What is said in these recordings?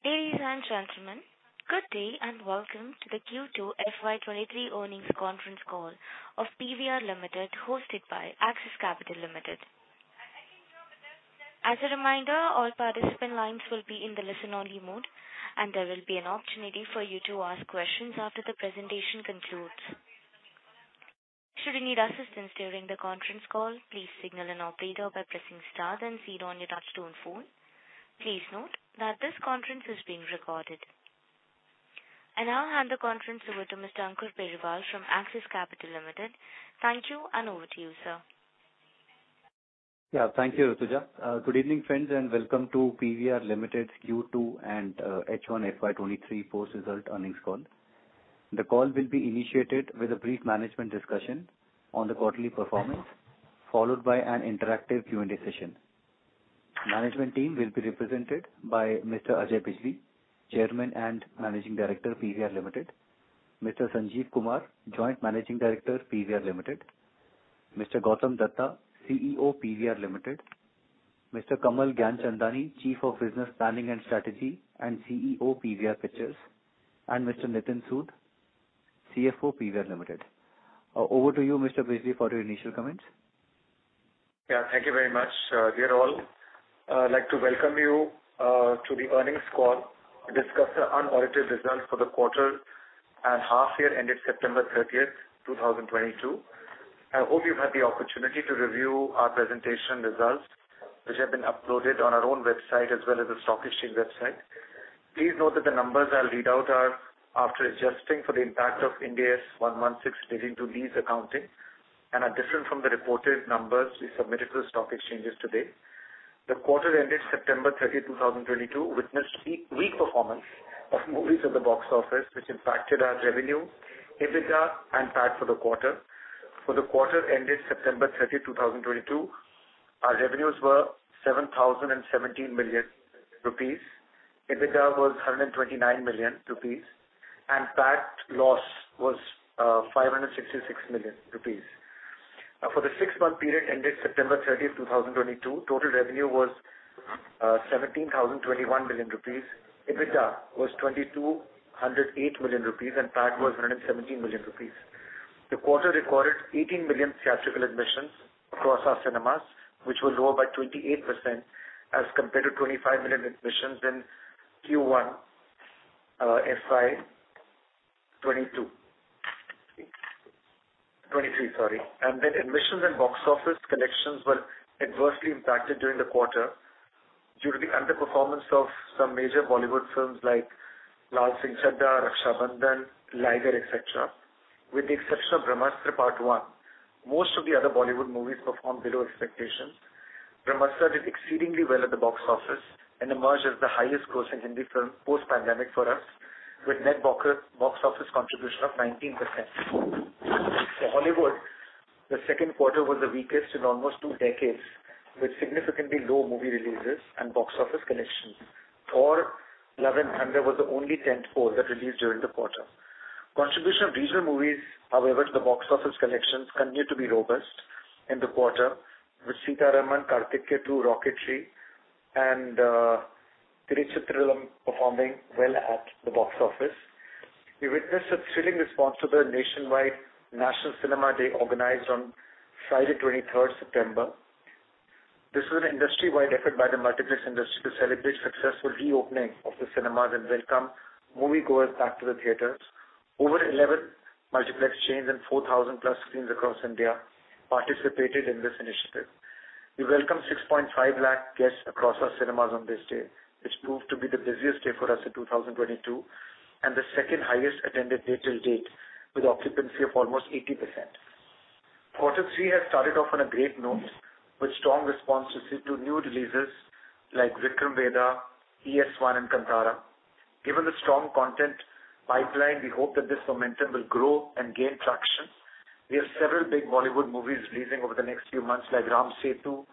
Ladies and gentlemen, good day, and welcome to the Q2 FY23 earnings conference call of PVR INOX Limited hosted by Axis Capital Limited. As a reminder, all participant lines will be in the listen-only mode, and there will be an opportunity for you to ask questions after the presentation concludes. Should you need assistance during the conference call, please signal an operator by pressing star then zero on your touchtone phone. Please note that this conference is being recorded. I now hand the conference over to Mr. Ankur Periwal from Axis Capital Limited. Thank you, and over to you, sir. Yeah. Thank you, Utuja. Good evening, friends, and welcome to PVR INOX Limited Q2 and H1 FY 2023 post-result earnings call. The call will be initiated with a brief management discussion on the quarterly performance, followed by an interactive Q&A session. Management team will be represented by Mr. Ajay Bijli, Chairman and Managing Director, PVR INOX Limited. Mr. Sanjeev Kumar Bijli, Joint Managing Director, PVR INOX Limited. Mr. Gautam Dutta, CEO, PVR INOX Limited. Mr. Kamal Gianchandani, Chief of Business Planning and Strategy and CEO, PVR Pictures. Mr. Nitin Sood, CFO, PVR INOX Limited. Over to you, Mr. Bijli, for your initial comments. Yeah. Thank you very much. Dear all, I'd like to welcome you to the earnings call to discuss the unaudited results for the quarter and half year ended September 30, 2022. I hope you've had the opportunity to review our presentation results, which have been uploaded on our own website as well as the stock exchange website. Please note that the numbers I'll read out are after adjusting for the impact of Ind AS 116 relating to lease accounting and are different from the reported numbers we submitted to the stock exchanges today. The quarter ending September 30, 2022 witnessed weak performance of movies at the box office, which impacted our revenue, EBITDA and PAT for the quarter. For the quarter ending September 30, 2022, our revenues were 7,017 million rupees. EBITDA was 129 million rupees, and PAT loss was 566 million rupees. For the 6 month period ending September 30, 2022, total revenue was 17,021 million rupees. EBITDA was 2,208 million rupees, and PAT was 117 million rupees. The quarter recorded 18 million theatrical admissions across our cinemas, which was lower by 28% as compared to 25 million admissions in Q1 FY23. Admissions and box office collections were adversely impacted during the quarter due to the underperformance of some major Bollywood films like Laal Singh Chaddha, Raksha Bandhan, Liger, et cetera. With the exception of Brahmāstra: Part 1 – Shiva, most of the other Bollywood movies performed below expectations. Brahmāstra did exceedingly well at the box office and emerged as the highest grossing Hindi film post-pandemic for us, with net box office contribution of 19%. For Hollywood, the second quarter was the weakest in almost 2 decades, with significantly low movie releases and box office collections. Thor: Love and Thunder was the only tentpole that released during the quarter. Contribution of regional movies, however, to the box office collections continued to be robust in the quarter, with Sita Ramam, Karthikeya 2, Rocketry: The Nambi Effect and Tiruchitrambalam performing well at the box office. We witnessed a thrilling response to the nationwide National Cinema Day, organized on Friday, 23rd September. This was an industry-wide effort by the multiplex industry to celebrate successful reopening of the cinemas and welcome moviegoers back to the theaters. Over 11 multiplex chains and 4,000+ screens across India participated in this initiative. We welcomed 6.5 lakh guests across our cinemas on this day, which proved to be the busiest day for us in 2022, and the second highest attended day to date, with occupancy of almost 80%. Q3 has started off on a great note with strong responses to new releases like Vikram Vedha, PS-1 and Kantara. Given the strong content pipeline, we hope that this momentum will grow and gain traction. We have several big Bollywood movies releasing over the next few months, like Ram Setu,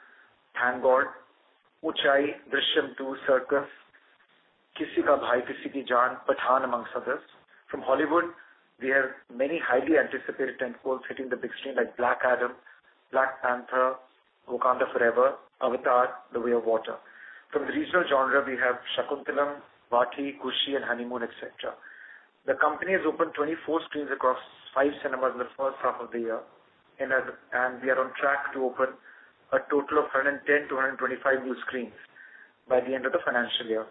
Thank God, Uunchai, Drishyam 2, Cirkus, Kisi Ka Bhai Kisi Ki Jaan, Pathaan, among others. From Hollywood, we have many highly anticipated tentpoles hitting the big screen, like Black Adam, Black Panther: Wakanda Forever, Avatar: The Way of Water. From the regional genre, we have Shaakuntalam, Bholaa, Kushi and Honeymoon, etc. The company has opened 24 screens across 5 cinemas in the first half of the year and we are on track to open a total of 110 to 125 new screens by the end of the financial year.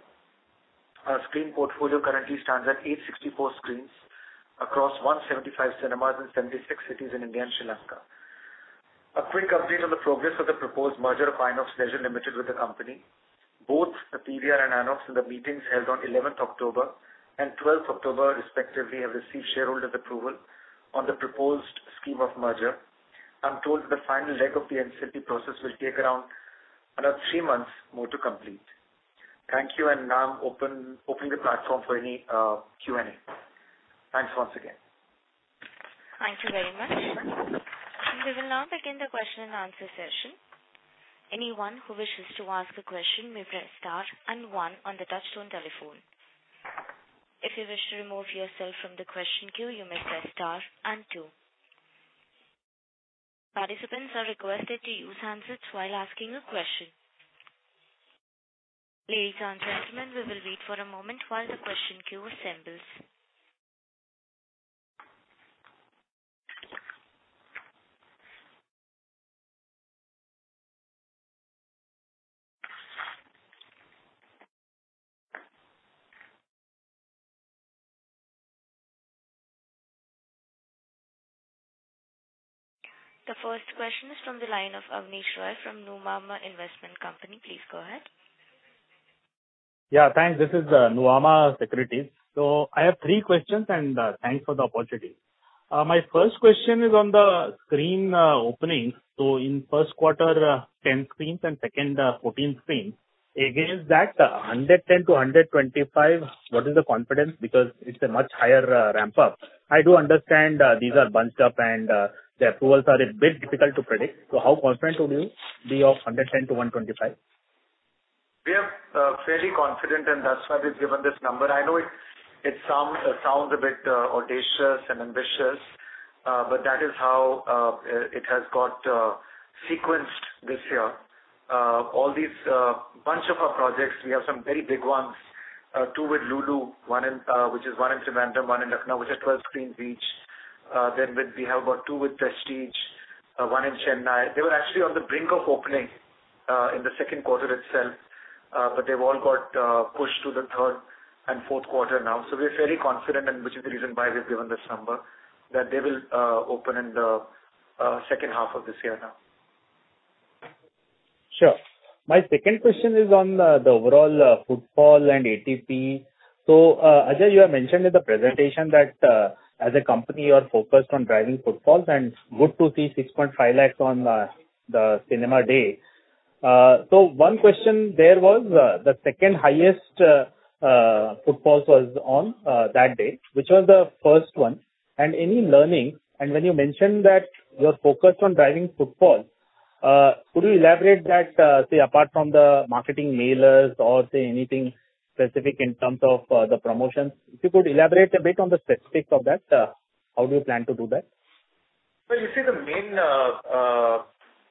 Our screen portfolio currently stands at 864 screens across 175 cinemas in 76 cities in India and Sri Lanka. A quick update on the progress of the proposed merger of INOX Leisure Limited with the company. Both PVR and Inox, in the meetings held on 11th October and 12th October respectively, have received shareholders approval on the proposed scheme of merger. I'm told the final leg of the NCLT process will take around another 3 months more to complete. Thank you. Now I'm opening the platform for any Q&A. Thanks once again. Thank you very much. We will now begin the question and answer session. Anyone who wishes to ask a question may press star and one on the touchtone telephone. If you wish to remove yourself from the question queue, you may press star and two. Participants are requested to use handsets while asking a question. Ladies and gentlemen, we will wait for a moment while the question queue assembles. The first question is from the line of Abneesh Roy from Nuvama. Please go ahead. Yeah, thanks. This is, Nuvama. I have 3 questions, and, thanks for the opportunity. My first question is on the screen opening. In first quarter, 10 screens and second, 14 screens, against that 110 to 125, what is the confidence? Because it's a much higher, ramp up. I do understand, these are bunched up and, the approvals are a bit difficult to predict. How confident would you be of 110 to 125? We are fairly confident, and that's why we've given this number. I know it sounds a bit audacious and ambitious, but that is how it has got sequenced this year. All these bunch of our projects, we have some very big ones,2 with Lulu, 1 in Trivandrum, 1 in Lucknow, which are 12-screen each. Then we have about 2 with Prestige, 1 in Chennai. They were actually on the brink of opening in the second quarter itself, but they've all got pushed to the third and fourth quarter now. We're fairly confident, and which is the reason why we've given this number, that they will open in the second half of this year now. Sure. My second question is on the overall footfall and ATP. Ajay, you have mentioned in the presentation that as a company you are focused on driving footfalls and good to see 6.5 lakhs on the cinema day. 1 question there was the second-highest footfalls was on that day, which was the first one. Any learning, and when you mentioned that you're focused on driving footfalls, could you elaborate that, say, apart from the marketing mailers or, say, anything specific in terms of the promotions? If you could elaborate a bit on the specifics of that, how do you plan to do that? Well, you see the main.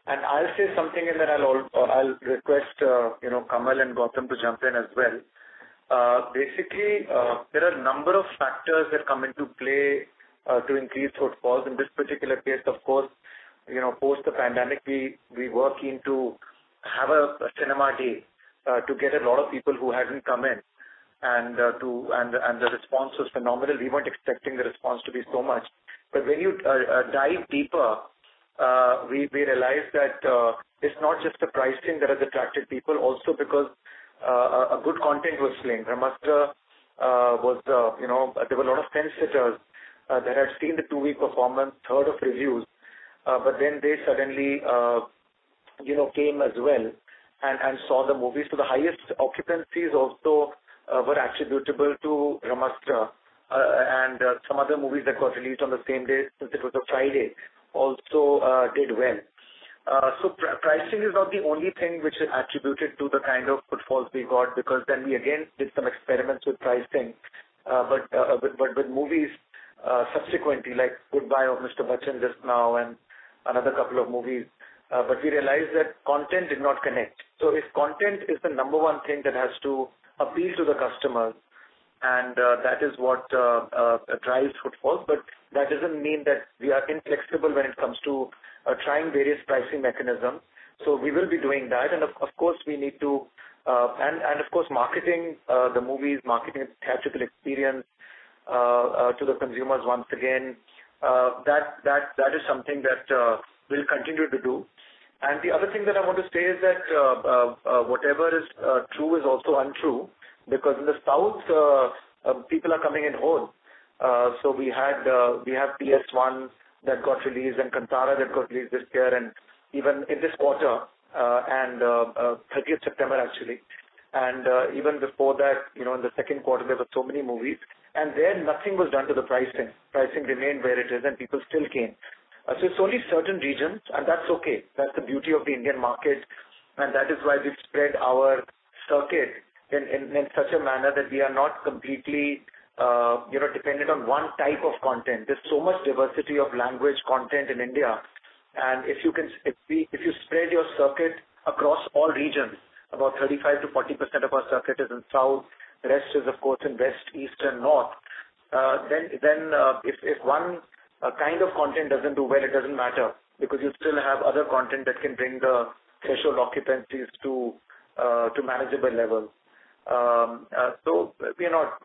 I'll say something, and then I'll request you know, Kamal and Gautam to jump in as well. Basically, there are a number of factors that come into play to increase footfalls. In this particular case, of course, you know, post the pandemic, we worked to have a cinema day to get a lot of people who hadn't come in and the response was phenomenal. We weren't expecting the response to be so much. When you dive deeper, we realized that it's not just the pricing that has attracted people, also because a good content was playing. Ram Setu was, you know, there were a lot of fence sitters that had seen the 2 week performance, heard of reviews, but then they suddenly, you know, came as well and saw the movie. The highest occupancies also were attributable to Ram Setu. Some other movies that got released on the same day, since it was a Friday, also did well. Pricing is not the only thing which is attributed to the kind of footfalls we got, because then we again did some experiments with pricing. With movies subsequently, like Goodbye of Mr. Bachchan just now and another couple of movies, but we realized that content did not connect. If content is the number 1 thing that has to appeal to the customers, and that is what drives footfalls. That doesn't mean that we are inflexible when it comes to trying various pricing mechanisms. We will be doing that. Of course we need to. Of course, marketing the movies, marketing the theatrical experience to the consumers once again, that is something that we'll continue to do. The other thing that I want to say is that whatever is true is also untrue, because in the South, people are coming in droves. We have PS-1 that got released and Kantara that got released this year and even in this quarter, and thirtieth September, actually. Even before that, you know, in the second quarter, there were so many movies. Then nothing was done to the pricing. Pricing remained where it is, and people still came. So it's only certain regions, and that's okay. That's the beauty of the Indian market, and that is why we've spread our circuit in such a manner that we are not completely, you know, dependent on one type of content. There's so much diversity of language content in India. If you spread your circuit across all regions, about 35%-40% of our circuit is in South. The rest is, of course, in West, East and North. If one kind of content doesn't do well, it doesn't matter because you still have other content that can bring the threshold occupancies to manageable levels. We are not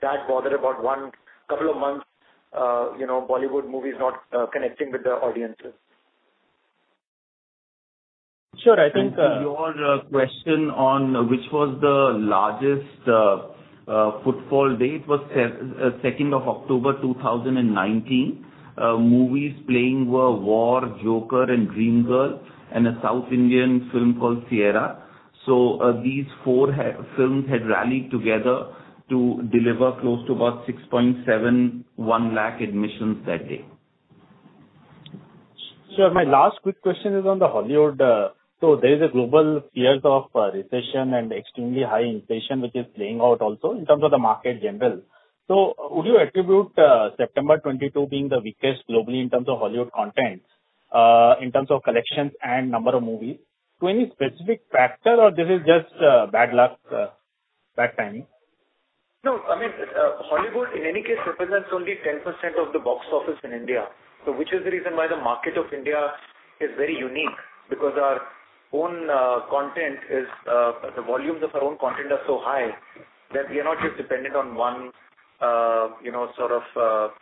that bothered about one couple of months, you know, Bollywood movies not connecting with the audiences. Sure. I think, To your question on which was the largest footfall day. It was second of October 2019. Movies playing were War, Joker and Dream Girl, and a South Indian film called Sye Raa Narasimha Reddy. These 4 films had rallied together to deliver close to about 6.71 lakh admissions that day. Sure. My last quick question is on the Hollywood. There is a global fears of recession and extremely high inflation, which is playing out also in terms of the market generally. Would you attribute September 2022 being the weakest globally in terms of Hollywood content, in terms of collections and number of movies to any specific factor, or this is just bad luck, bad timing? No. I mean, Hollywood in any case represents only 10% of the box office in India. Which is the reason why the market of India is very unique because our own content is the volumes of our own content are so high that we are not just dependent on one you know sort of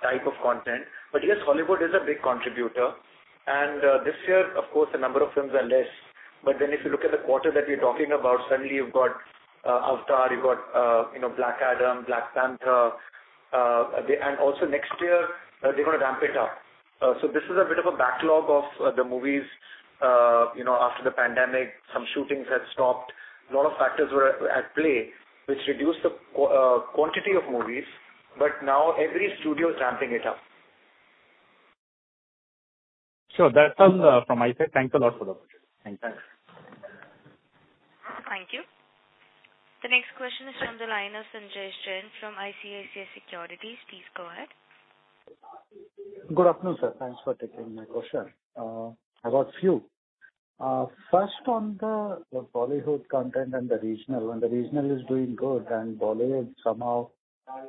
type of content. Yes, Hollywood is a big contributor. This year, of course, the number of films are less. If you look at the quarter that you're talking about, suddenly you've got Avatar, you've got you know Black Adam, Black Panther. Also next year, they're gonna ramp it up. This is a bit of a backlog of the movies. You know, after the pandemic, some shootings had stopped. A lot of factors were at play, which reduced the quantity of movies. Now every studio is ramping it up. Sure. That's all, from my side. Thanks a lot for the update. Thanks. Thanks. Thank you. The next question is from the line of Sanjay Singh from ICICI Securities. Please go ahead. Good afternoon, sir. Thanks for taking my question. I've got a few. First, on the Bollywood content and the regional is doing good, and Bollywood somehow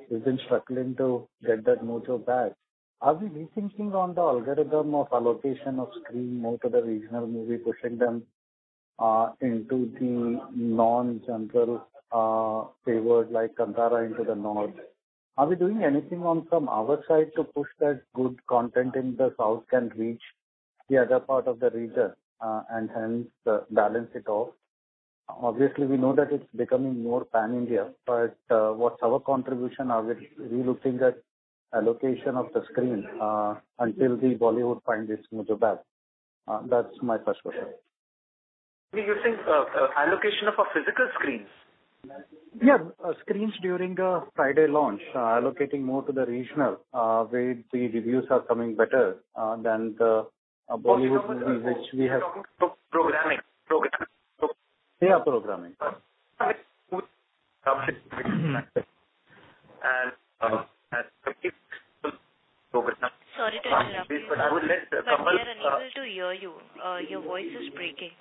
has been struggling to get that mojo back. Are we rethinking on the algorithm of allocation of screen more to the regional movie, pushing them into the national favored like Kantara into the North? Are we doing anything from our side to push that good content in the South can reach the other part of the region, and hence balance it off? Obviously, we know that it's becoming more pan-India, but what's our contribution? Are we re-looking at allocation of the screen until the Bollywood find its mojo back? That's my first question. Are you using allocation of our physical screens? Yeah, screens during a Friday launch, allocating more to the regional where the reviews are coming better than the Bollywood movie which we have- You're talking programming. Yeah, programming. Sorry to interrupt you. I would let Kamal. We are unable to hear you. Your voice is breaking.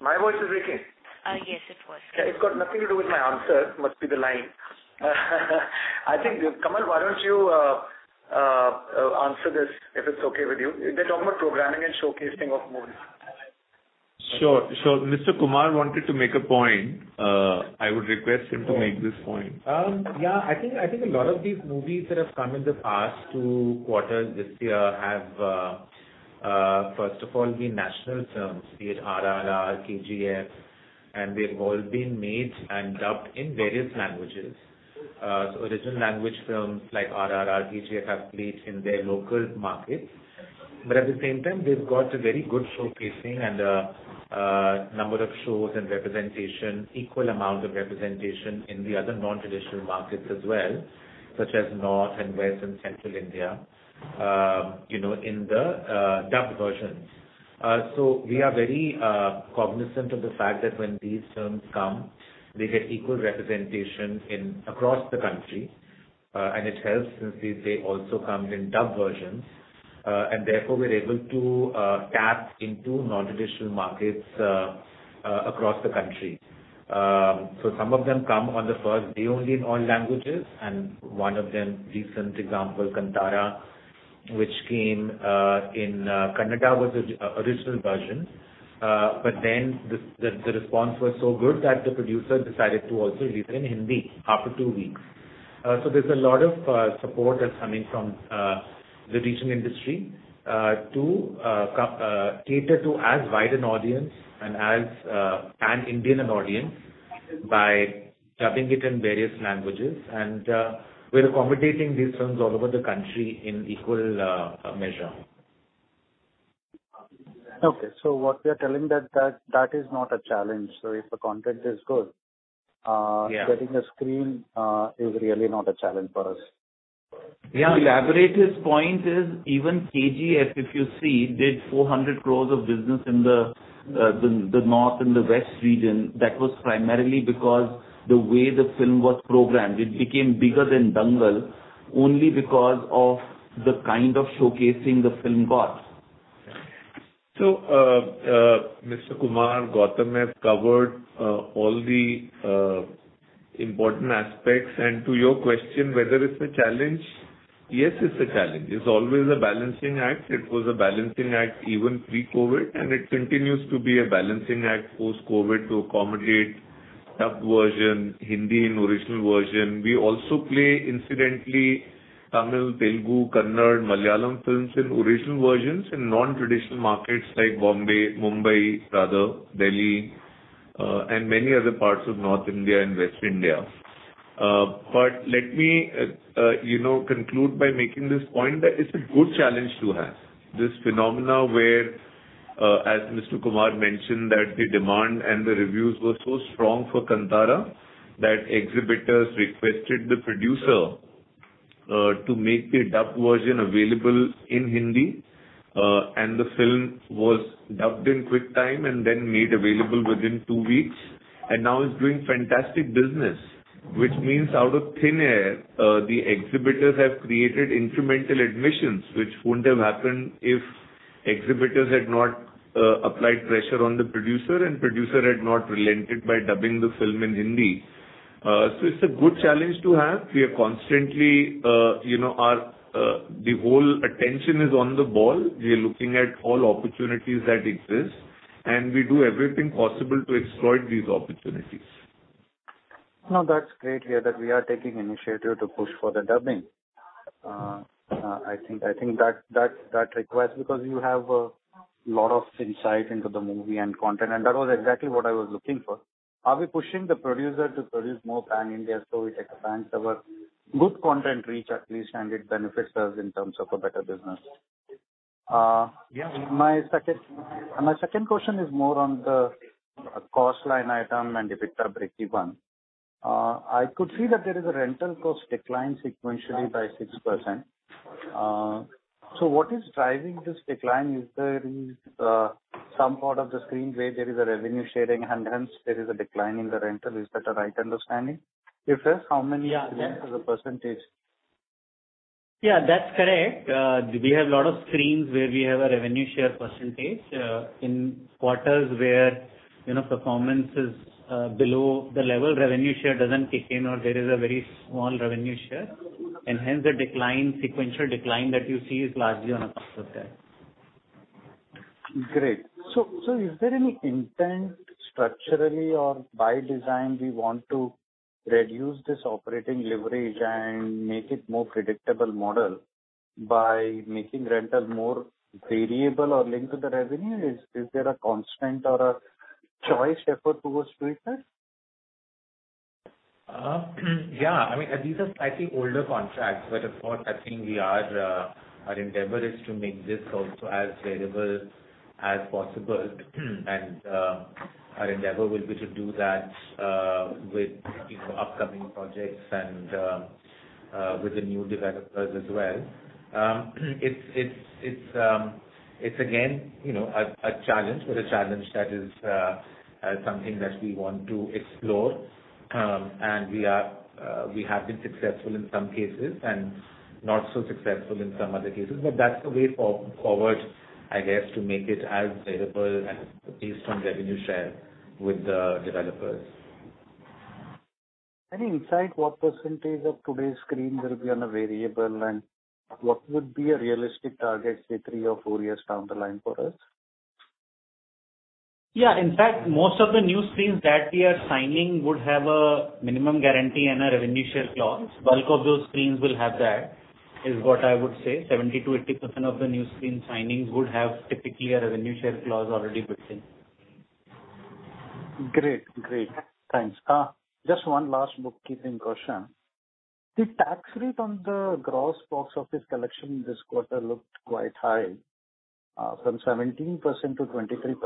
My voice is breaking? Yes, it was. It's got nothing to do with my answer. It must be the line. I think, Kamal, why don't you answer this, if it's okay with you. They're talking about programming and showcasing of movies. Sure. Mr. Kumar wanted to make a point. I would request him to make this point. Yeah, I think a lot of these movies that have come in the past 2Q this year have first of all been national films, be it RRR, KGF, and they've all been made and dubbed in various languages. Original language films like RRR, KGF have played in their local markets. At the same time, they've got a very good showcasing and number of shows and representation, equal amount of representation in the other non-traditional markets as well, such as North and West and Central India, you know, in the dubbed versions. We are very cognizant of the fact that when these films come, they get equal representation across the country, and it helps since they also come in dubbed versions. Therefore, we're able to tap into non-traditional markets across the country. Some of them come on the first day only in all languages, and one of them, recent example, Kantara, which came in Kannada was the original version. Then the response was so good that the producer decided to also release it in Hindi after 2 weeks. There's a lot of support that's coming from the regional industry to cater to as wide an audience and as Pan-Indian an audience by dubbing it in various languages. We're accommodating these films all over the country in equal measure. Okay. What we are telling that is not a challenge. If the content is good. Yeah. Getting a screen is really not a challenge for us. Yeah. To elaborate his point, even KGF, if you see, did 400 crore of business in the North and the West region. That was primarily because the way the film was programmed. It became bigger than Dangal only because of the kind of showcasing the film got. Mr. Kumar, Gautam has covered all the important aspects. To your question, whether it's a challenge, yes, it's a challenge. It's always a balancing act. It was a balancing act even pre-COVID, and it continues to be a balancing act post-COVID to accommodate dubbed version, Hindi in original version. We also play, incidentally, Tamil, Telugu, Kannada, Malayalam films in original versions in non-traditional markets like Mumbai rather, Delhi, and many other parts of North India and West India. Let me, you know, conclude by making this point that it's a good challenge to have. This phenomenon where, as Mr. Kumar mentioned, that the demand and the reviews were so strong for Kantara that exhibitors requested the producer to make a dubbed version available in Hindi. The film was dubbed in quick time and then made available within 2 weeks. Now it's doing fantastic business, which means out of thin air, the exhibitors have created incremental admissions, which wouldn't have happened if exhibitors had not applied pressure on the producer and producer had not relented by dubbing the film in Hindi. It's a good challenge to have. We are constantly, you know, our whole attention is on the ball. We are looking at all opportunities that exist, and we do everything possible to exploit these opportunities. No, that's great to hear that we are taking initiative to push for the dubbing. I think that requires because you have a lot of insight into the movie and content, and that was exactly what I was looking for. Are we pushing the producer to produce more Pan India so we can expand our good content reach at least, and it benefits us in terms of a better business? Yeah. My second question is more on the cost line item and EBITDA break-even. I could see that there is a rental cost decline sequentially by 6%. So what is driving this decline? Is there any some part of the screen where there is a revenue sharing and hence there is a decline in the rental? Is that a right understanding? If yes, how many- Yeah. as a percentage? Yeah, that's correct. We have a lot of screens where we have a revenue share percentage. In quarters where, you know, performance is below the level revenue share doesn't kick in or there is a very small revenue share and hence the decline, sequential decline that you see is largely on account of that. Great. Is there any intent structurally or by design we want to reduce this operating leverage and make it more predictable model by making rental more variable or linked to the revenue? Is there a concerted or conscious effort towards doing that? I mean, these are slightly older contracts, but of course, I think our endeavor is to make this also as variable as possible. Our endeavor will be to do that with, you know, upcoming projects and with the new developers as well. It's again, you know, a challenge, but a challenge that is something that we want to explore. We have been successful in some cases and not so successful in some other cases. That's the way forward, I guess, to make it as variable and based on revenue share with the developers. Any insight what percentage of today's screen will be on a variable and what would be a realistic target, say 3 or 4 years down the line for us? Yeah. In fact, most of the new screens that we are signing would have a minimum guarantee and a revenue share clause. Bulk of those screens will have that, is what I would say. 70%-80% of the new screen signings would have typically a revenue share clause already built in. Great. Thanks. Just one last bookkeeping question. The tax rate on the gross box office collection this quarter looked quite high, from 17% to 23%.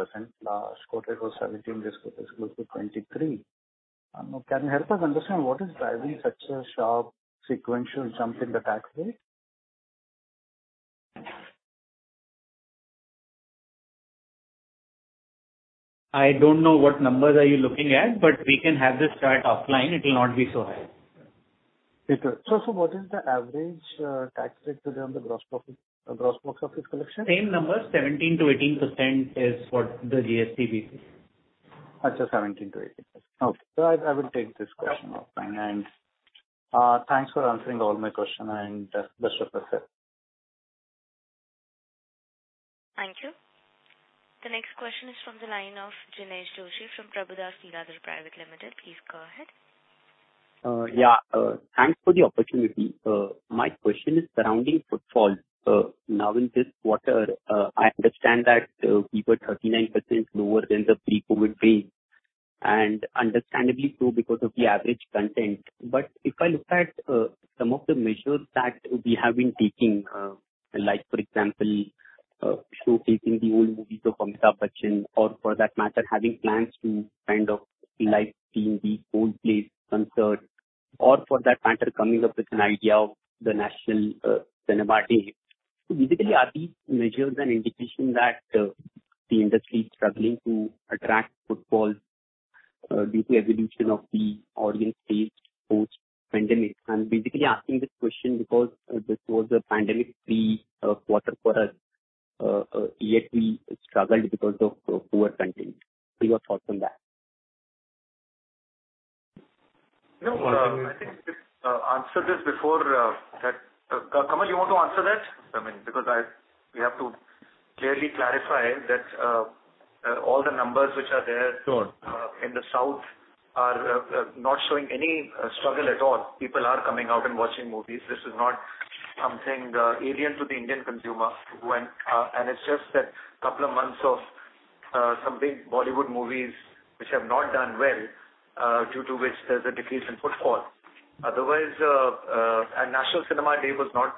Last quarter it was 17%, this quarter it's close to 23%. Can you help us understand what is driving such a sharp sequential jump in the tax rate? I don't know what numbers are you looking at, but we can have this chat offline. It will not be so high. What is the average tax rate today on the gross profit, gross box office collection? Same number, 17%-18% is what the GST we see. Just 17%-18%. Okay. I will take this question offline. Thanks for answering all my question and best of luck sir. Thank you. The next question is from the line of Jinesh Joshi from Prabhudas Lilladher Private Limited. Please go ahead. Thanks for the opportunity. My question is surrounding footfall. Now in this quarter, I understand that we were 39% lower than the pre-COVID phase, and understandably so because of the average content. If I look at some of the measures that we have been taking, like for example, showcasing the old movies of Amitabh Bachchan or for that matter, having plans to kind of like bring the old plays, concerts or for that matter, coming up with an idea of the National Cinema Day. Basically are these measures an indication that the industry is struggling to attract footfall due to evolution of the audience taste post-pandemic? I'm basically asking this question because this was a pandemic-free quarter for us, yet we struggled because of poor content. Your thoughts on that? No, I think we've answered this before. Kamal, you want to answer that? I mean, because we have to clearly clarify that all the numbers which are there- Sure. In the South are not showing any struggle at all. People are coming out and watching movies. This is not something alien to the Indian consumer and it's just that couple of months of some big Bollywood movies which have not done well due to which there's a decrease in footfall. Otherwise, National Cinema Day was not,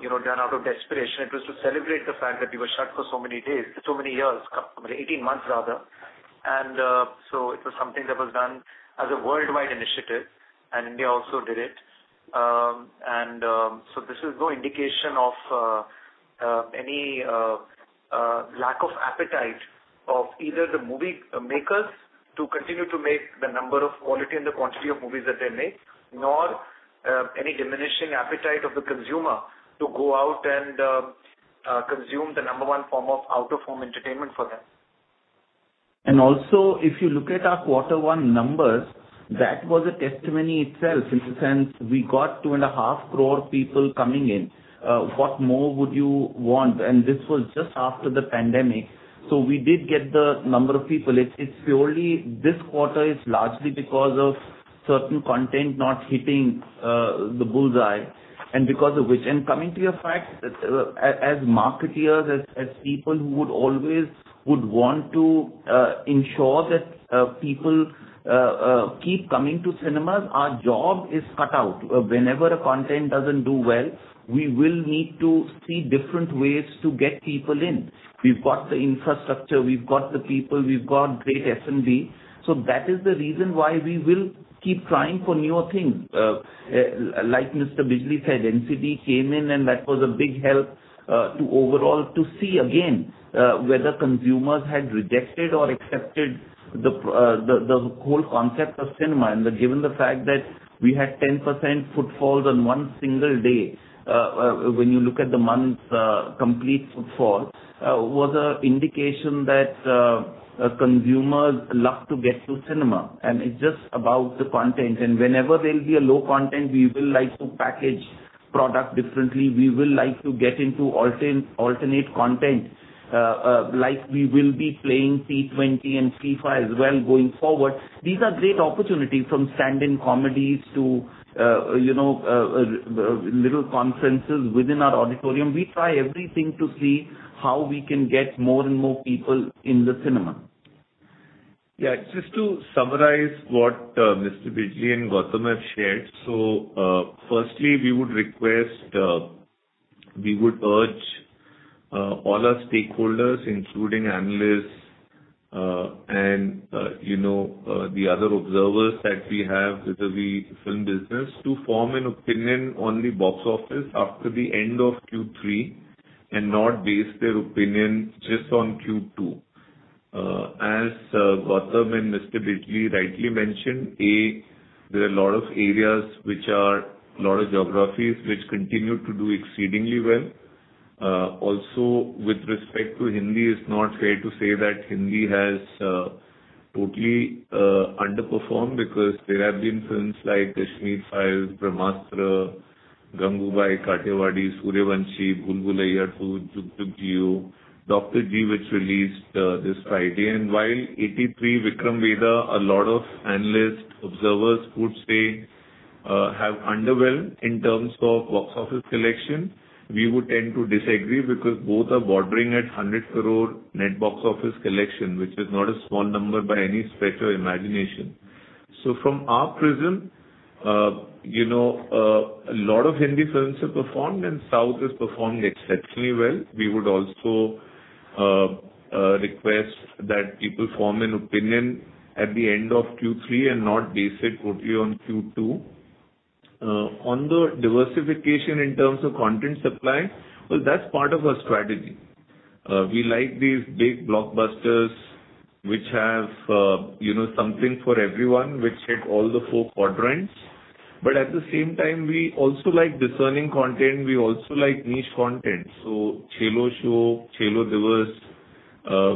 you know, done out of desperation. It was to celebrate the fact that we were shut for so many days, so many years, 18 months rather. It was something that was done as a worldwide initiative, and India also did it. This is no indication of any. Lack of appetite of either the movie makers to continue to make the number of quality and the quantity of movies that they make, nor any diminishing appetite of the consumer to go out and consume the number 1 form of out-of-home entertainment for them. Also, if you look at our Q1 numbers, that was a testimony itself in the sense we got 2.5 crore people coming in. What more would you want? This was just after the pandemic. We did get the number of people. It's purely this quarter is largely because of certain content not hitting the bull's-eye, and because of which. Coming to your fact, as marketers, as people who would always want to ensure that people keep coming to cinemas, our job is cut out. Whenever a content doesn't do well, we will need to see different ways to get people in. We've got the infrastructure, we've got the people, we've got great F&B. That is the reason why we will keep trying for newer things. Like Mr. Bijli said, NCD came in, and that was a big help to overall to see again whether consumers had rejected or accepted the whole concept of cinema. Given the fact that we had 10% footfalls on 1 single day, when you look at the month's complete footfalls, was a indication that consumers love to get to cinema and it's just about the content. Whenever there'll be a low content, we will like to package product differently. We will like to get into alternate content like we will be playing T20 and T5 as well going forward. These are great opportunities from stand-up comedies to, you know, little conferences within our auditorium. We try everything to see how we can get more and more people in the cinema. Yeah. Just to summarize what Mr. Bijli and Gautam have shared. Firstly, we would urge all our stakeholders, including analysts, and you know, the other observers that we have with the film business to form an opinion on the box office after the end of Q3 and not base their opinion just on Q2. As Gautam and Mr. Bijli rightly mentioned, A, there are a lot of geographies which continue to do exceedingly well. Also with respect to Hindi, it's not fair to say that Hindi has totally underperformed because there have been films like The Kashmir Files, Brahmāstra, Gangubai Kathiawadi, Sooryavanshi, Gully Boy, JugJugg Jeeyo, Doctor G, which released this Friday. While 83, Vikram Vedha, a lot of analysts, observers would say, have underwhelmed in terms of box office collection, we would tend to disagree because both are bordering at 100 crore net box office collection, which is not a small number by any stretch of imagination. From our prism, you know, a lot of Hindi films have performed and South has performed exceptionally well. We would also request that people form an opinion at the end of Q3 and not base it only on Q2. On the diversification in terms of content supply, well, that's part of our strategy. We like these big blockbusters which have, you know, something for everyone, which hit all the 4 quadrants. But at the same time, we also like discerning content. We also like niche content. Chhello Show,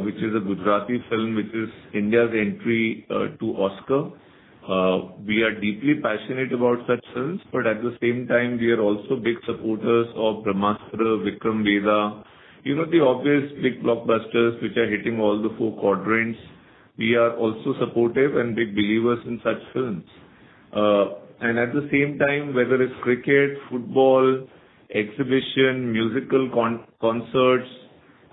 which is a Gujarati film, which is India's entry to the Oscars. We are deeply passionate about such films, but at the same time we are also big supporters of Brahmāstra, Vikram Vedha, you know, the obvious big blockbusters which are hitting all the 4 quadrants. We are also supportive and big believers in such films. At the same time, whether it's cricket, football, exhibition, musical concerts,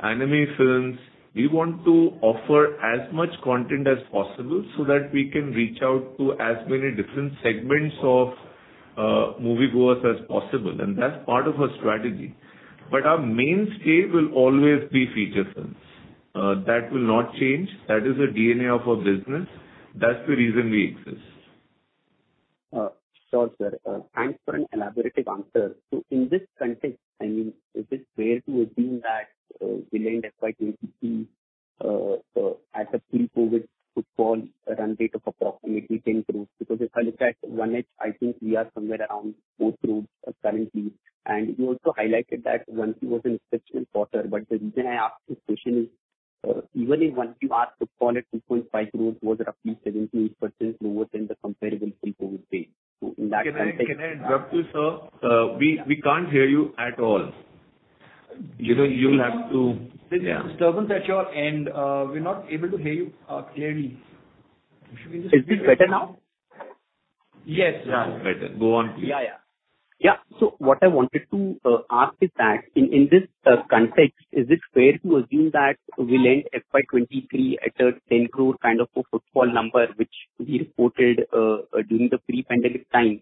anime films, we want to offer as much content as possible so that we can reach out to as many different segments of moviegoers as possible. That's part of our strategy. Our mainstay will always be feature films. That will not change. That is the DNA of our business. That's the reason we exist. Sure, sir. Thanks for an elaborate answer. In this context, I mean, is it fair to assume that we'll end FY 2023 at a pre-COVID footfall run rate of approximately 10 crore? Because if I look at 1H, I think we are somewhere around 4 crore currently. You also highlighted that 1Q was an exceptional quarter. The reason I ask this question is, even in 1Q our footfall at 2.5 crore was roughly 17%-18% lower than the comparable pre-COVID base. In that context- Can I interrupt you, sir? We can't hear you at all. You will have to- There's a disturbance at your end. We're not able to hear you clearly. Should we just? Is this better now? Yes. Better. Go on, please. Yeah. What I wanted to ask is that in this context, is it fair to assume that we'll end FY 2023 at a 10 crore kind of a footfall number, which we reported during the pre-pandemic time?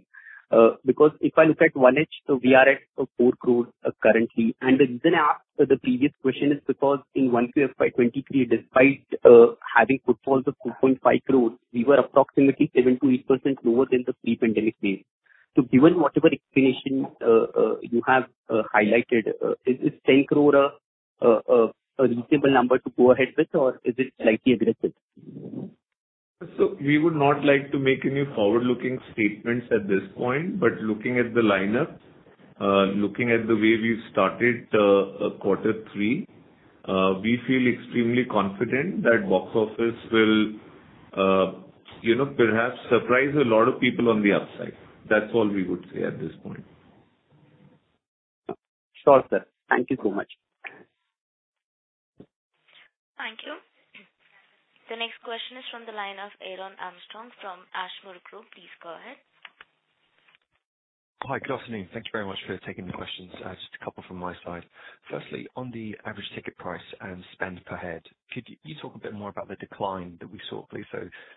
Because if I look at 1H, we are at 4 crore currently. The reason I asked the previous question is because in 1Q FY 2023, despite having footfalls of 2.5 crores, we were approximately 7%-8% lower than the pre-pandemic base. Given whatever explanation you have highlighted, is this 10 crore a reasonable number to go ahead with or is it slightly aggressive? We would not like to make any forward-looking statements at this point, but looking at the lineup, looking at the way we've started, Q3, we feel extremely confident that box office will, you know, perhaps surprise a lot of people on the upside. That's all we would say at this point. Sure, sir. Thank you so much. Thank you. The next question is from the line of Aaron Armstrong from Ashmore Group. Please go ahead. Hi. Good afternoon. Thank you very much for taking the questions. Just a couple from my side. Firstly, on the average ticket price and spend per head, could you talk a bit more about the decline that we saw, please?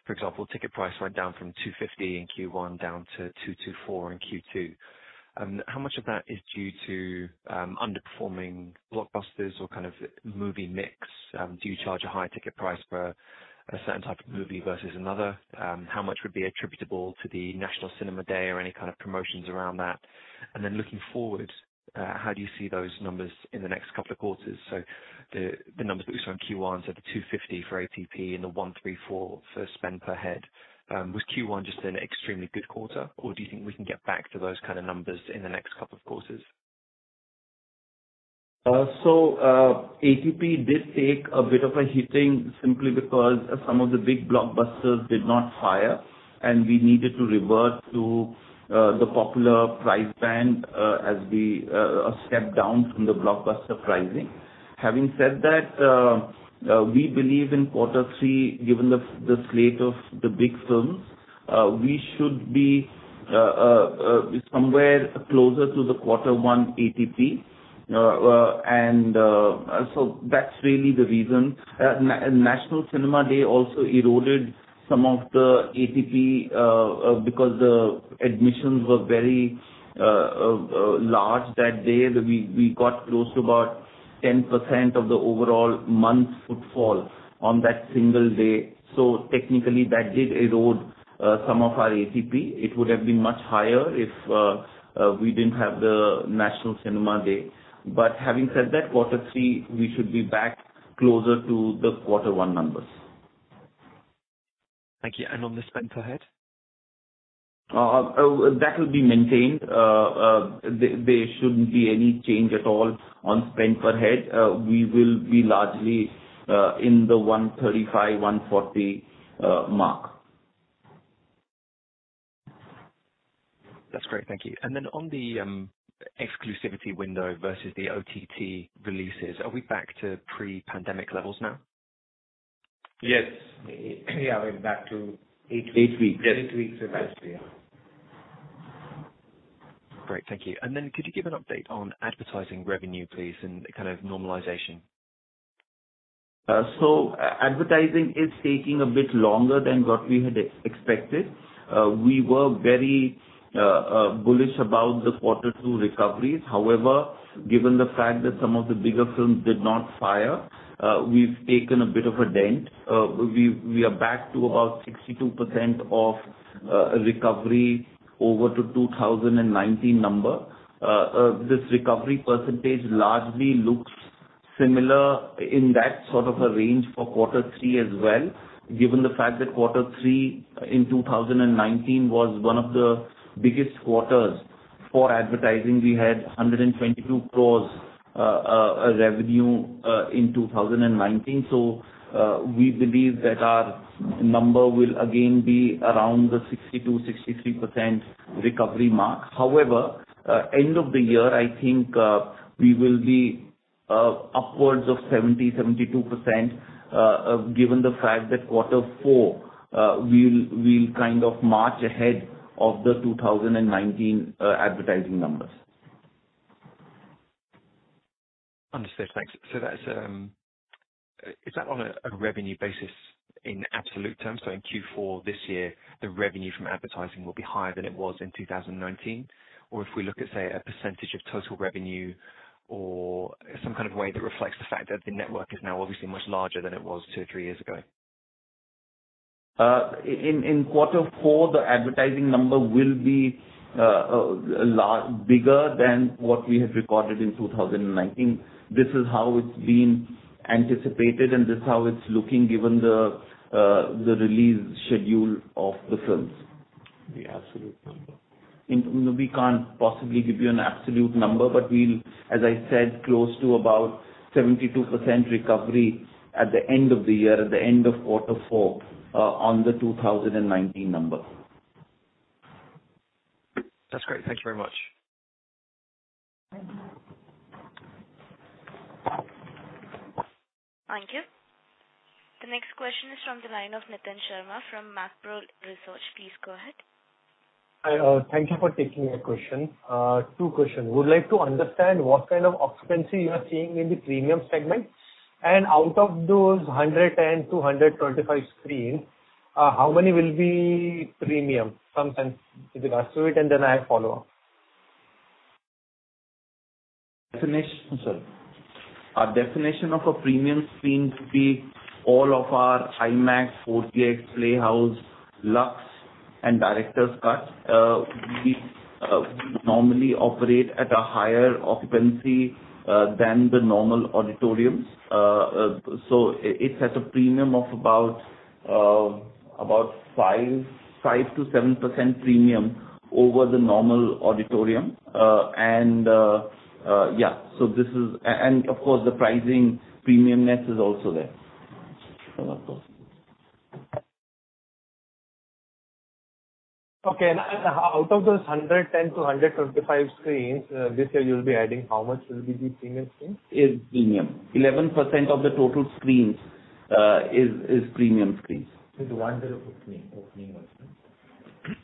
For example, ticket price went down from 250 in Q1 down to 224 in Q2. How much of that is due to underperforming blockbusters or kind of movie mix? Do you charge a higher ticket price for a certain type of movie versus another? How much would be attributable to the National Cinema Day or any kind of promotions around that? Looking forward, how do you see those numbers in the next couple of quarters? The numbers we saw in Q1, the 250 for ATP and the 134 for spend per head, was Q1 just an extremely good quarter or do you think we can get back to those kind of numbers in the next couple of quarters? ATP did take a bit of a hitting simply because some of the big blockbusters did not fire and we needed to revert to the popular price band as we step down from the blockbuster pricing. Having said that, we believe in Q3, given the slate of the big films, we should be somewhere closer to the Q1 ATP. That's really the reason. National Cinema Day also eroded some of the ATP because the admissions were very large that day. We got close to about 10% of the overall month footfall on that single day. Technically that did erode some of our ATP. It would have been much higher if we didn't have the National Cinema Day. Having said that, Q3 we should be back closer to the Q1 numbers. Thank you. On the spend per head? That will be maintained. There shouldn't be any change at all on spend per head. We will be largely in the 135-140 mark. That's great. Thank you. On the exclusivity window versus the OTT releases, are we back to pre-pandemic levels now? Yes. Yeah, we're back to 8 weeks. 8 weeks. Yes. 8 weeks approximately, yeah. Great, thank you. Could you give an update on advertising revenue, please, and kind of normalization? Advertising is taking a bit longer than what we had expected. We were very bullish about the 2Q recoveries. However, given the fact that some of the bigger films did not fire, we've taken a bit of a dent. We are back to about 62% of recovery over 2019 number. This recovery percentage largely looks similar in that sort of a range for Q3 as well, given the fact that quarter 3 in 2019 was one of the biggest quarters for advertising. We had 122 crore revenue in 2019. We believe that our number will again be around the 62%-63% recovery mark. However, end of the year, I think, we will be upwards of 70%-72%, given the fact that Q4, we'll kind of march ahead of the 2019 advertising numbers. Understood. Thanks. That's on a revenue basis in absolute terms? In Q4 this year, the revenue from advertising will be higher than it was in 2019? If we look at, say, a percentage of total revenue or some kind of way that reflects the fact that the network is now obviously much larger than it was 2 or 3 years ago. In Q4, the advertising number will be a lot bigger than what we have recorded in 2019. This is how it's been anticipated and this is how it's looking given the release schedule of the films. The absolute number. We can't possibly give you an absolute number, but we'll, as I said, close to about 72% recovery at the end of the year, at the end of Q4, on the 2019 number. That's great. Thank you very much. Thank you. The next question is from the line of Nitin Sharma from Macquarie Research. Please go ahead. Hi. Thank you for taking my question. 2 questions. Would like to understand what kind of occupancy you are seeing in the premium segment. Out of those 102 and 225 screens, how many will be premium? Some sense with regards to it, and then I have follow-up. I'm sorry. Our definition of a premium screen would be all of our IMAX, 4DX, Playhouse, Luxe, and Director's Cut. We normally operate at a higher occupancy than the normal auditoriums. So it has a premium of about 5%-7% premium over the normal auditorium. And of course, the pricing premium-ness is also there. Okay. Out of those 110-135 screens, this year you'll be adding how much will be the premium screens? Is premium. 11% of the total screens is premium screens. It's 1/3 of opening also.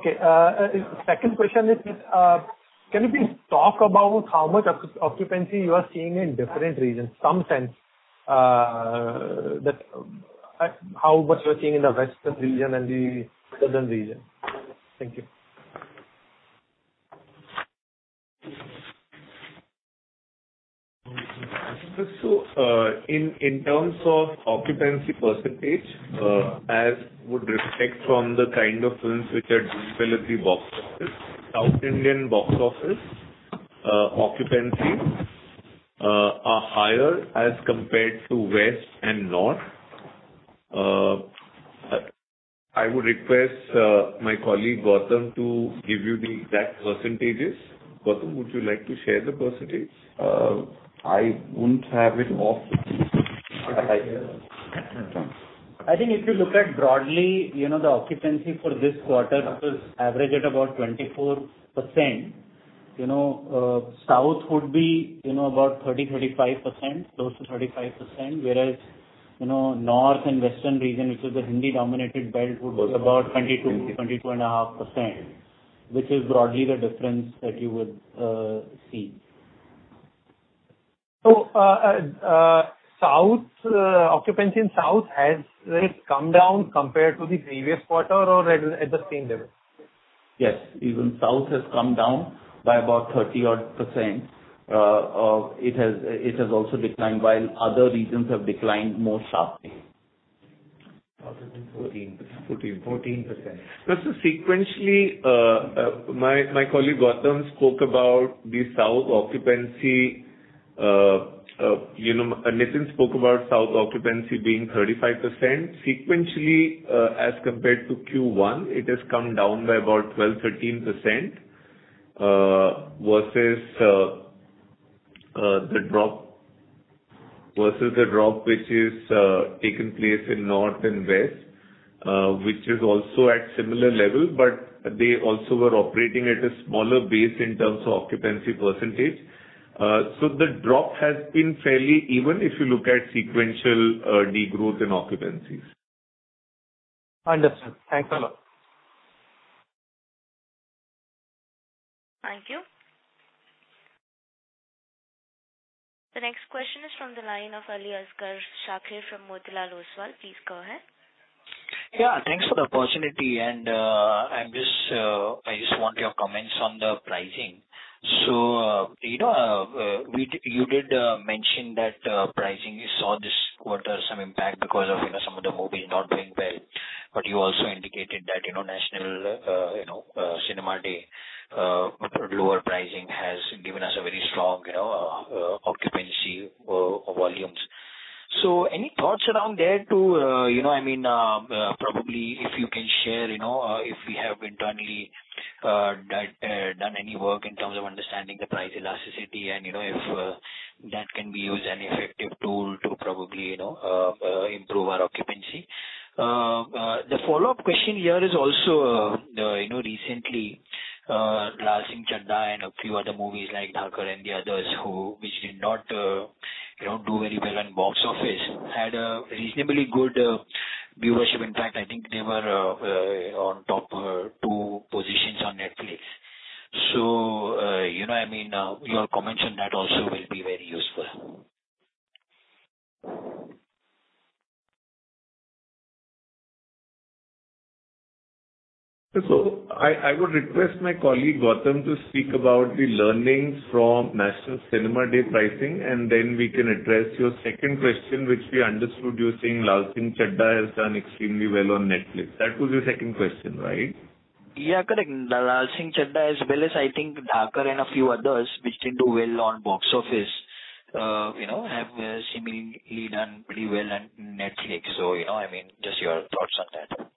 Okay. Second question is, can you please talk about how much occupancy you are seeing in different regions, some sense that. How much you are seeing in the western region and the southern region? Thank you. In terms of occupancy percentage, as would reflect from the kind of films which are typically box office. South Indian box office occupancy are higher as compared to West and North. I would request my colleague, Gautam, to give you the exact percentages. Gautam, would you like to share the percentage? I wouldn't have it off. I think if you look at broadly the occupancy for this quarter was average at about 24%. South would be about 30-35%, close to 35%. Whereas north and western region, which is the Hindi dominated belt, would be about 20%-22.5%, which is broadly the difference that you would see. South occupancy in south has like come down compared to the previous quarter or at the same level? Yes. Even South has come down by about 30-odd%. It has also declined while other regions have declined more sharply. 13%-14%. 14. 14%. Sequentially, my colleague, Gautam spoke about the south occupancy, you know, Nitin spoke about south occupancy being 35%. Sequentially, as compared to Q1, it has come down by about 12%-13%, versus the drop which has taken place in north and west, which is also at similar level, but they also were operating at a smaller base in terms of occupancy percentage. The drop has been fairly even if you look at sequential degrowth in occupancies. Understood. Thanks a lot. Thank you. The next question is from the line of Aliasgar Shakir from Motilal Oswal. Please go ahead. Yeah, thanks for the opportunity. I just want your comments on the pricing. You know, you did mention that pricing you saw this quarter some impact because of, you know, some of the movies not doing well. You also indicated that, you know, National Cinema Day lower pricing has given us a very strong, you know, occupancy volumes. Any thoughts around there to, you know, I mean, probably if you can share, you know, if we have internally done any work in terms of understanding the price elasticity and, you know, if that can be used an effective tool to probably, you know, improve our occupancy? The follow-up question here is also, you know, recently, Laal Singh Chaddha and a few other movies like Dhokha: Round D Corner and the others which did not, you know, do very well in box office, had a reasonably good viewership. In fact, I think they were on top 2 positions on Netflix. So, you know, I mean, your comments on that also will be very useful. I would request my colleague, Gautam, to speak about the learnings from National Cinema Day pricing, and then we can address your second question, which we understood you're saying Laal Singh Chaddha has done extremely well on Netflix. That was your second question, right? Yeah, correct. Laal Singh Chaddha, as well as I think Dhokha: Round D Corner and a few others which didn't do well on box office, you know, have seemingly done pretty well on Netflix. You know, I mean, just your thoughts on that.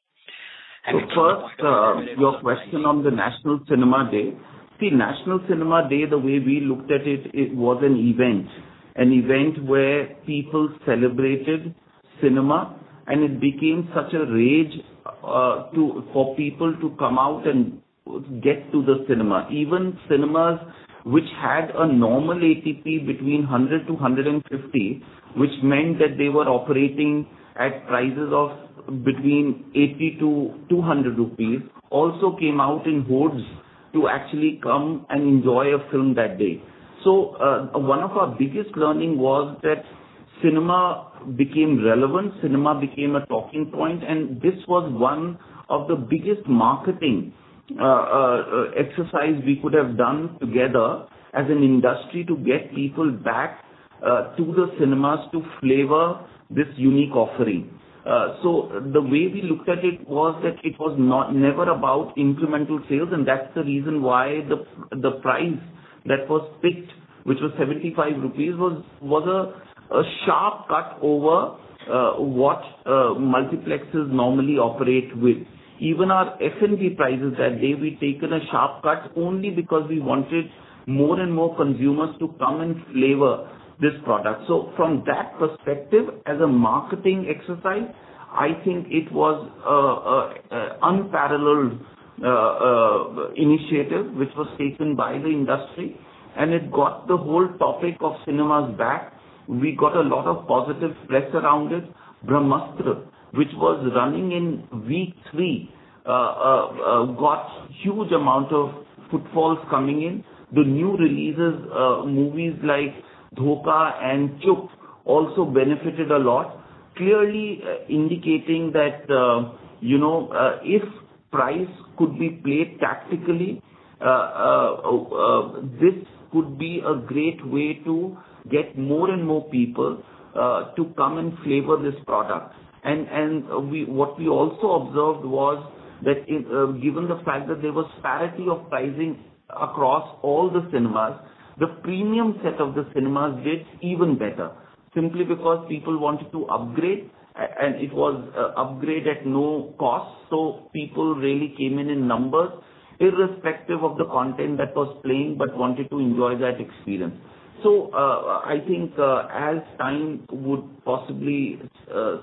First, your question on the National Cinema Day. See, National Cinema Day, the way we looked at it was an event. An event where people celebrated cinema, and it became such a rage, for people to come out and get to the cinema. Even cinemas which had a normal ATP between 100-150, which meant that they were operating at prices of between 80-200 rupees, also came out in hordes to actually come and enjoy a film that day. One of our biggest learning was that Cinema became relevant, cinema became a talking point, and this was one of the biggest marketing exercises we could have done together as an industry to get people back to the cinemas to savor this unique offering. The way we looked at it was that it was never about incremental sales, and that's the reason why the price that was picked, which was 75 rupees, was a sharp cut over what multiplexes normally operate with. Even our F&B prices that day, we'd taken a sharp cut only because we wanted more and more consumers to come and savor this product. From that perspective, as a marketing exercise, I think it was unparalleled initiative which was taken by the industry, and it got the whole topic of cinemas back. We got a lot of positive press around it. Brahmāstra, which was running in week 3, got huge amount of footfalls coming in. The new releases, movies like Dhokha and JugJugg also benefited a lot, clearly indicating that, you know, if pricing could be played tactically, this could be a great way to get more and more people to come and savor this product. What we also observed was that, given the fact that there was parity of pricing across all the cinemas, the premium set of the cinemas did even better, simply because people wanted to upgrade and it was upgrade at no cost. People really came in numbers, irrespective of the content that was playing, but wanted to enjoy that experience. I think, as time would possibly sort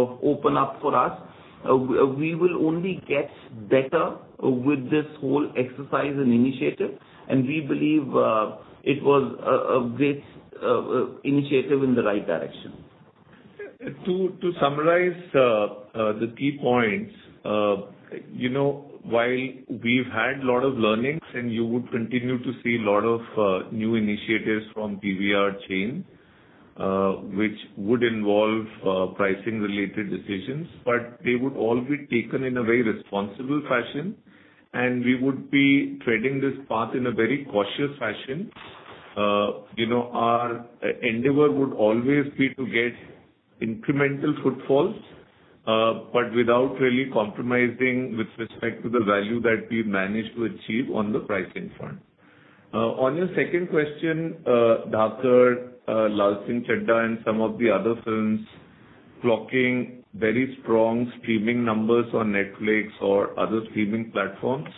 of open up for us, we will only get better with this whole exercise and initiative, and we believe it was a great initiative in the right direction. To summarize, the key points, you know, while we've had a lot of learnings, and you would continue to see a lot of new initiatives from PVR chain, which would involve pricing related decisions, but they would all be taken in a very responsible fashion, and we would be treading this path in a very cautious fashion. You know, our endeavor would always be to get incremental footfalls, but without really compromising with respect to the value that we managed to achieve on the pricing front. On your second question, Dhadak, Laal Singh Chaddha, and some of the other films clocking very strong streaming numbers on Netflix or other streaming platforms.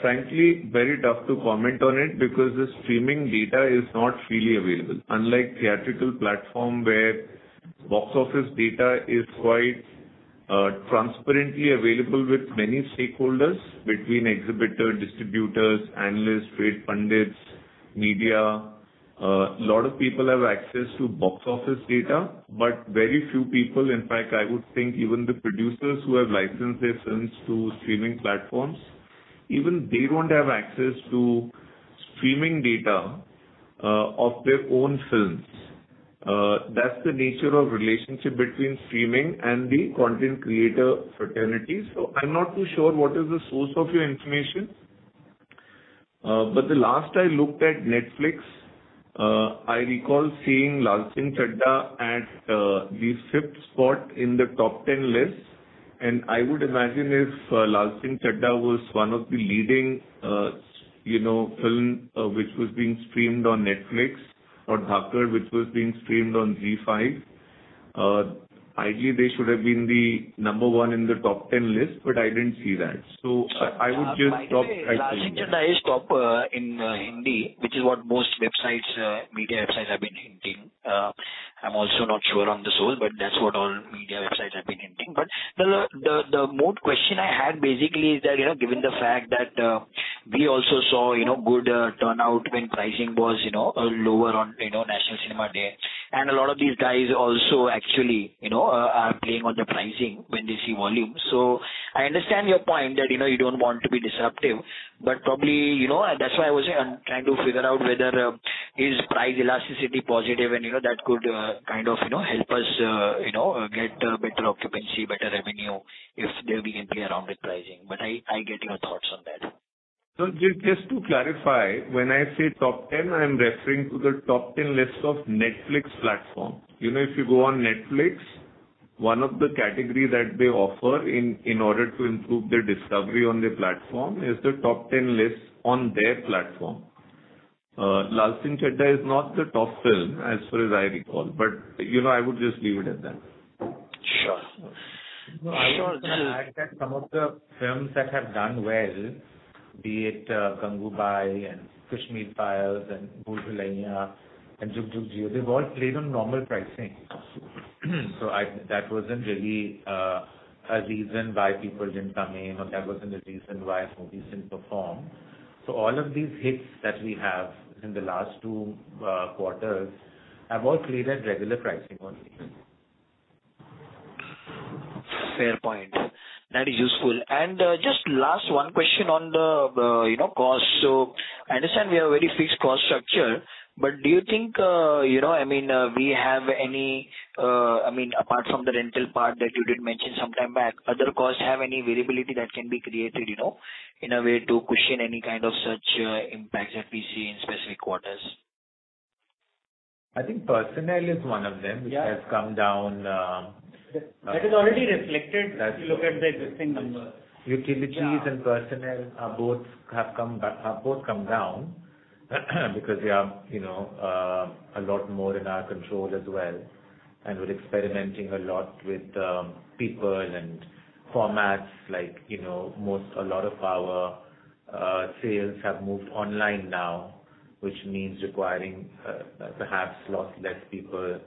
Frankly, very tough to comment on it because the streaming data is not freely available. Unlike theatrical platform, where box office data is quite transparently available with many stakeholders between exhibitor, distributors, analysts, trade pundits, media. A lot of people have access to box office data, but very few people, in fact, I would think even the producers who have licensed their films to streaming platforms, even they don't have access to streaming data of their own films. That's the nature of relationship between streaming and the content creator fraternity. I'm not too sure what is the source of your information. But the last I looked at Netflix, I recall seeing Laal Singh Chaddha at the fifth spot in the top ten list. I would imagine if Laal Singh Chaddha was one of the leading, you know, film, which was being streamed on Netflix or Dhadak, which was being streamed on ZEE5, ideally, they should have been the number 1 in the top ten list, but I didn't see that. I would just- Laal Singh Chaddha is top in Hindi, which is what most websites, media websites have been hinting. I'm also not sure on the source, but that's what all media websites have been hinting. The main question I had basically is that, you know, given the fact that, we also saw, you know, good turnout when pricing was, you know, lower on National Cinema Day. A lot of these guys also actually, you know, are playing on the pricing when they see volume. I understand your point that, you know, you don't want to be disruptive, but probably, you know, that's why I was trying to figure out whether is price elasticity positive and, you know, that could kind of, you know, help us, you know, get better occupancy, better revenue if we can play around with pricing. But I get your thoughts on that. Just to clarify, when I say top ten, I am referring to the top ten list of Netflix platform. You know, if you go on Netflix, one of the category that they offer in order to improve their discovery on their platform is the top ten list on their platform. Laal Singh Chaddha is not the top film as far as I recall, but you know, I would just leave it at that. Sure. I would add that some of the films that have done well, be it, Gangubai and Kashmir Files and Bhool Bhulaiyaa and JugJugg Jeeyo, they've all played on normal pricing. That wasn't really a reason why people didn't come in or that wasn't a reason why a movie didn't perform. All of these hits that we have in the last 2Q have all played at regular pricing only. Fair point. That is useful. Just last one question on the you know, cost. I understand we have very fixed cost structure, but do you think, you know, I mean, we have any, I mean, apart from the rental part that you did mention sometime back, other costs have any variability that can be created, you know, in a way to cushion any kind of such impacts that we see in specific quarters? I think personnel is one of them. Yeah. which has come down. That is already reflected if you look at the existing numbers. Utilities and personnel have both come down because they are a lot more in our control as well. We're experimenting a lot with people and formats. A lot of our sales have moved online now, which means requiring perhaps a lot less people.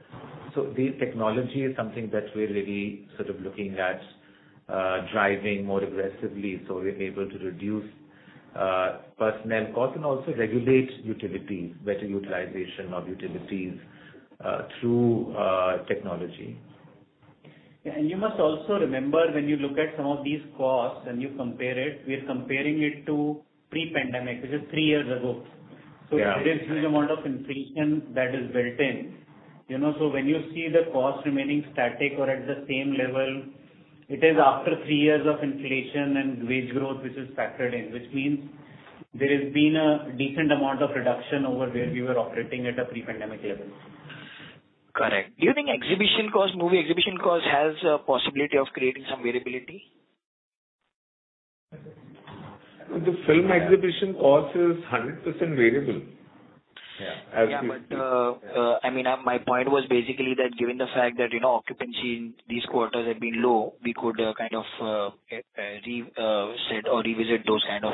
The technology is something that we're really sort of looking at driving more aggressively, so we're able to reduce personnel cost and also regulate utilities, better utilization of utilities through technology. Yeah. You must also remember when you look at some of these costs and you compare it, we are comparing it to pre-pandemic, which is 3 years ago. Yeah. There is huge amount of inflation that is built in. You know, so when you see the cost remaining static or at the same level, it is after 3 years of inflation and wage growth which is factored in. Which means there has been a decent amount of reduction over where we were operating at a pre-pandemic level. Correct. Do you think exhibition cost, movie exhibition cost has a possibility of creating some variability? The film exhibition cost is 100% variable. Yeah. Yeah. I mean, my point was basically that given the fact that, you know, occupancy in these quarters have been low, we could kind of reset or revisit those kind of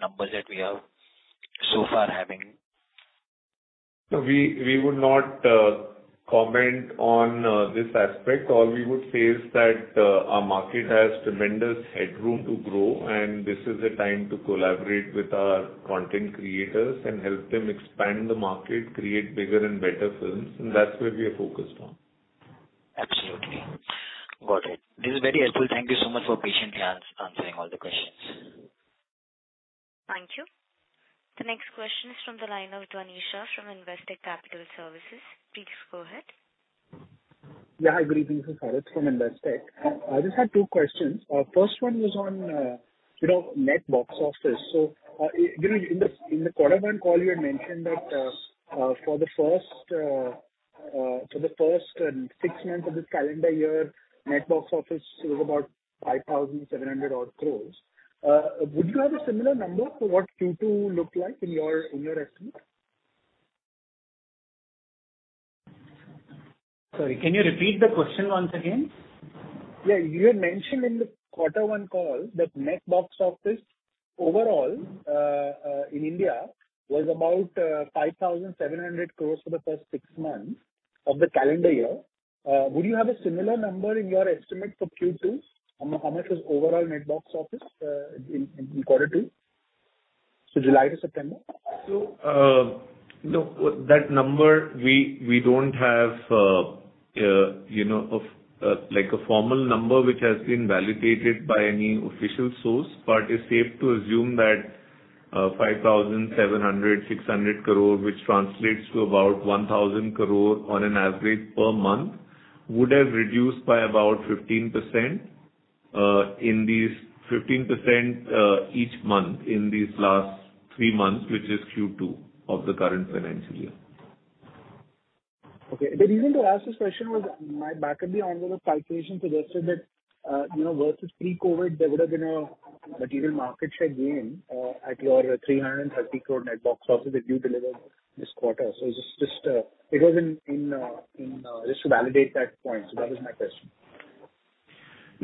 numbers that we have so far having. No, we would not comment on this aspect. All we would say is that our market has tremendous headroom to grow, and this is a time to collaborate with our content creators and help them expand the market, create bigger and better films, and that's where we are focused on. Absolutely. Got it. This is very helpful. Thank you so much for patiently answering all the questions. Thank you. The next question is from the line of Dhanisha from Investec Capital Services. Please go ahead. Yeah, hi, good evening. This is Harish from Investec. I just had 2 questions. First one was on, you know, net box office. You know, in the Q1 call you had mentioned that for the first 6 months of this calendar year, net box office was about 5,700-odd crores. Would you have a similar number for what Q2 looked like in your estimate? Sorry, can you repeat the question once again? Yeah. You had mentioned in the Q1 call that net box office overall in India was about 5,700 crore for the first 6 months of the calendar year. Would you have a similar number in your estimate for Q2 on how much was overall net box office in Q2, so July to September? No. That number we don't have, you know, like a formal number which has been validated by any official source. It's safe to assume that 5,700-6,000 crore, which translates to about 1,000 crore on an average per month, would have reduced by about 15% each month in these last 3 months, which is Q2 of the current financial year. Okay. The reason to ask this question was my back-of-the-envelope calculation suggested that, you know, versus pre-COVID, there would have been a material market share gain at your 330 crore net box office that you delivered this quarter. It's just to validate that point. That was my question.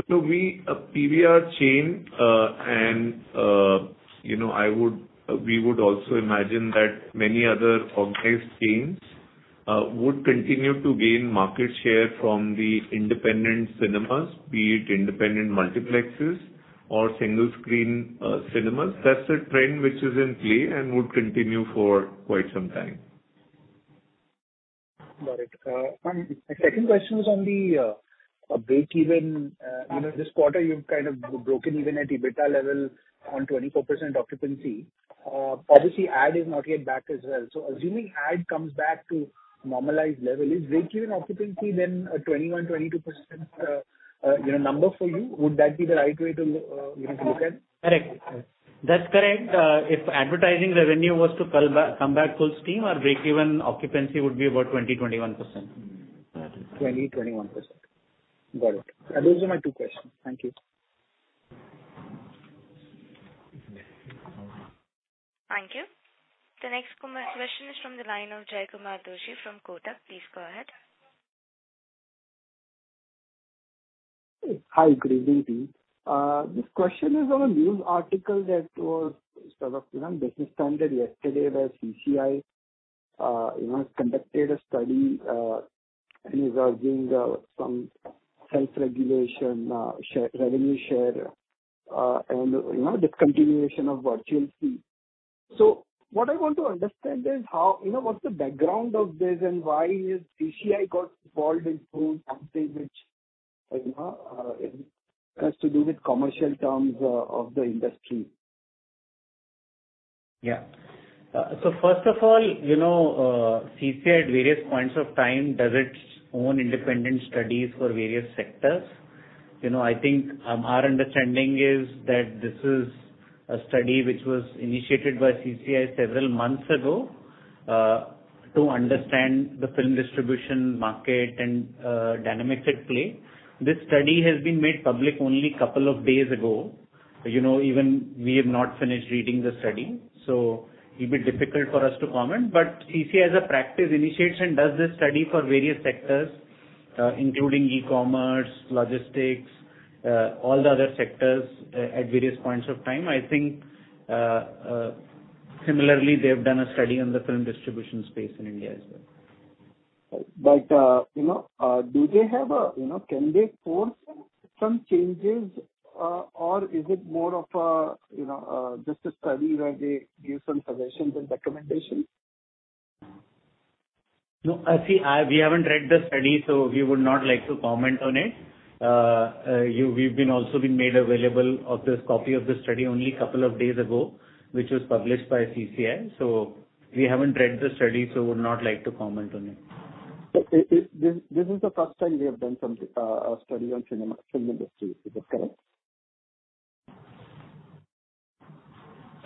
No, we PVR chain and you know, we would also imagine that many other organized chains would continue to gain market share from the independent cinemas, be it independent multiplexes or single screen cinemas. That's a trend which is in play and would continue for quite some time. Got it. My second question was on the breakeven. You know, this quarter, you've kind of broken even at EBITDA level on 24% occupancy. Obviously ad is not yet back as well. Assuming ad comes back to normalized level, is breakeven occupancy then 21%-22% number for you? Would that be the right way to you know to look at? Correct. That's correct. If advertising revenue was to come back full steam, our breakeven occupancy would be about 20%-21%. 21%. Got it. Those are my 2 questions. Thank you. Thank you. The next question is from the line of Jaykumar Doshi from Kotak. Please go ahead. Hi, good evening to you. This question is on a news article that was sort of, you know, Business Standard yesterday where CCI, you know, has conducted a study and is urging some self-regulation, revenue share, and, you know, discontinuation of virtual fee. What I want to understand is how, you know, what's the background of this and why is CCI got involved into something which, you know, it has to do with commercial terms of the industry? Yeah. First of all, you know, CCI at various points of time does its own independent studies for various sectors. You know, I think, our understanding is that this is a study which was initiated by CCI several months ago, to understand the film distribution market and, dynamics at play. This study has been made public only couple of days ago. You know, even we have not finished reading the study, so it'd be difficult for us to comment. CCI, as a practice, initiates and does this study for various sectors, including e-commerce, logistics, all the other sectors at various points of time. I think, similarly, they've done a study on the film distribution space in India as well. You know, can they force some changes, or is it more of a, you know, just a study where they give some suggestions and recommendations? No, see, we haven't read the study, so we would not like to comment on it. We've also been made aware of this copy of the study only a couple of days ago, which was published by CCI. We haven't read the study, would not like to comment on it. this is the first time they have done some a study on cinema, film industry. Is this correct?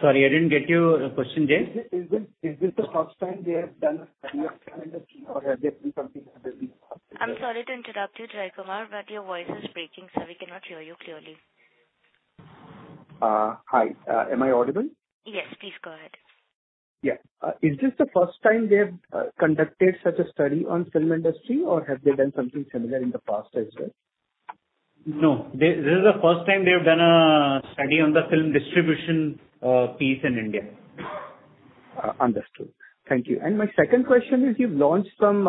Sorry, I didn't get your question, Jay. Is this the first time they have done a study on film industry or have they done something similar in the past? I'm sorry to interrupt you, Jaykumar, but your voice is breaking, so we cannot hear you clearly. Hi. Am I audible? Yes. Please go ahead. Yeah. Is this the first time they have conducted such a study on film industry, or have they done something similar in the past as well? No. This is the first time they have done a study on the film distribution, piece in India. Understood. Thank you. My second question is you've launched some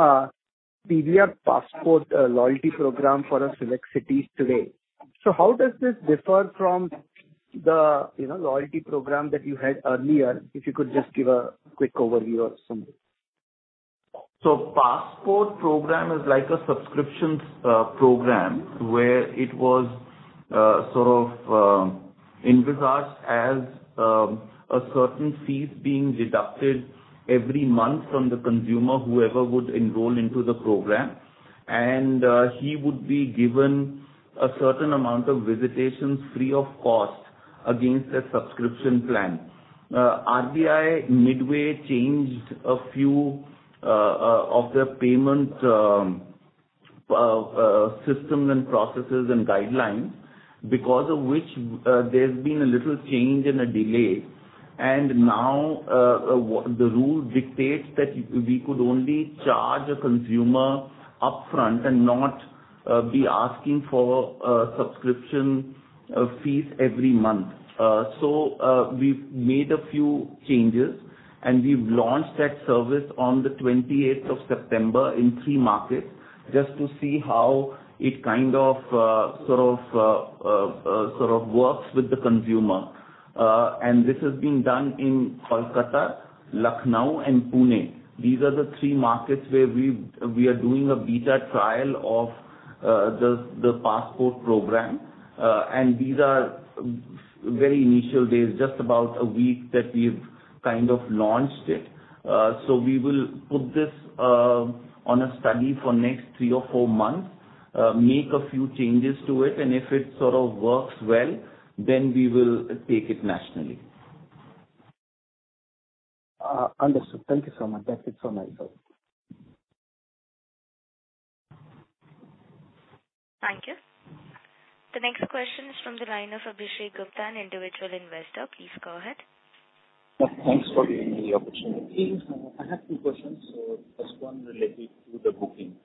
PVR INOX Passport loyalty program for select cities today. How does this differ from the, you know, loyalty program that you had earlier? If you could just give a quick overview of some. Passport program is like a subscription program, where it was sort of envisaged as certain fees being deducted every month from the consumer, whoever would enroll into the program. He would be given a certain amount of visitations free of cost against that subscription plan. RBI midway changed a few of their payment systems and processes and guidelines because of which, there's been a little change and a delay. Now the rule dictates that we could only charge a consumer upfront and not be asking for subscription fees every month. We've made a few changes, and we've launched that service on the 28th of September in 3 markets just to see how it kind of sort of works with the consumer. This is being done in Kolkata, Lucknow and Pune. These are the 3 markets where we are doing a beta trial of the Passport program. These are very initial days, just about a week that we've kind of launched it. We will put this on a study for next 3 or 4 months, make a few changes to it, and if it sort of works well, then we will take it nationally. Understood. Thank you so much. That's it from my side. Thank you. The next question is from the line of Abhishek Gupta, an individual investor. Please go ahead. Thanks for the opportunity. I have 2 questions. First one related to the booking.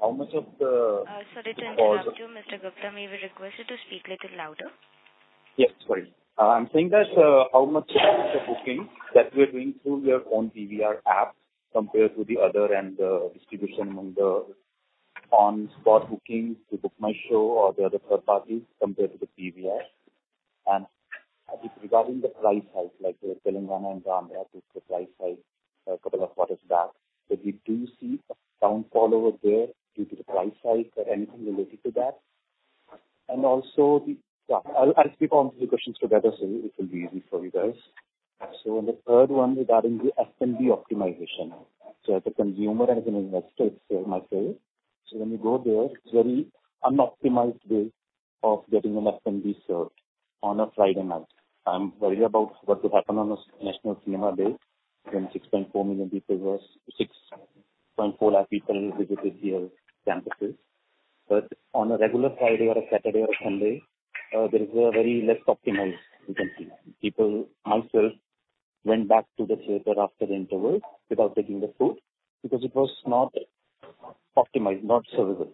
How much of the- Sorry to interrupt you, Mr. Gupta. We will request you to speak little louder. Yes. Sorry. I'm saying that how much of the booking that we are doing through their own PVR app compared to the other and distribution member on spot bookings to BookMyShow or the other third parties compared to the PVR. Regarding the price hike, like in Telangana and Andhra, there's the price hike a couple of quarters back. We do see a downfall over there due to the price hike or anything related to that. Yeah, I'll speak all the questions together, so it will be easy for you guys. The third one regarding the F&B optimization. As a consumer and an investor myself, when you go there, it's very unoptimized way of getting an F&B served on a Friday night. I'm worried about what would happen on a National Cinema Day when 6.4 lakh people visited your campuses. On a regular Friday or a Saturday or Sunday, there is a very less optimized, you can see. People, myself, went back to the theater after interval without taking the food because it was not optimized, not serviceable.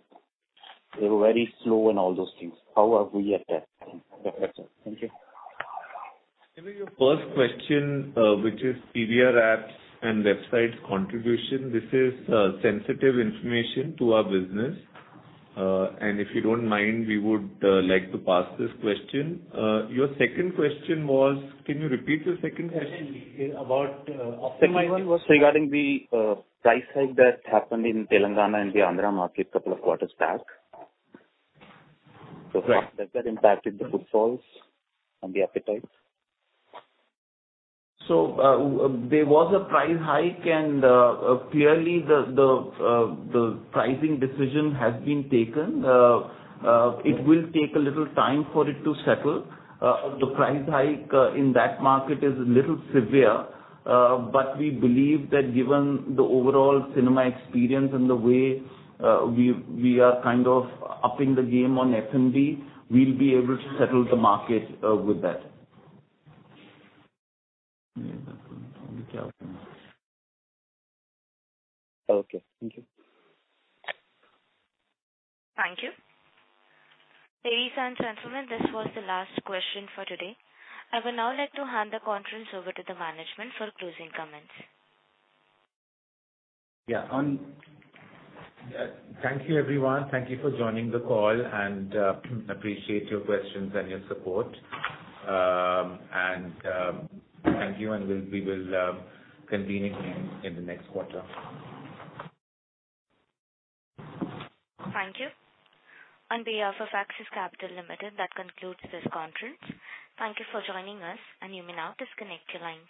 They were very slow in all those things. How are we adapting? That's it. Thank you. I think your first question, which is PVR apps and websites contribution, this is sensitive information to our business. If you don't mind, we would like to pass this question. Your second question was. Can you repeat the second question? About optimizing. Second one was. Regarding the price hike that happened in Telangana and the Andhra market couple of quarters back. How that impacted the footfalls and the appetite. There was a price hike, and clearly the pricing decision has been taken. It will take a little time for it to settle. The price hike in that market is a little severe, but we believe that given the overall cinema experience and the way we are kind of upping the game on F&B, we'll be able to settle the market with that. Okay. Thank you. Thank you. Ladies and gentlemen, this was the last question for today. I would now like to hand the conference over to the management for closing comments. Yeah. Thank you, everyone. Thank you for joining the call and appreciate your questions and your support. Thank you and we will convene again in the next quarter. Thank you. On behalf of Axis Capital Limited, that concludes this conference. Thank you for joining us, and you may now disconnect your line.